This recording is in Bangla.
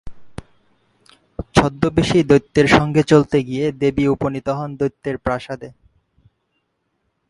ছদ্মবেশী দৈত্যের সঙ্গে চলতে গিয়ে দেবী উপনীত হন দৈত্যের প্রাসাদে।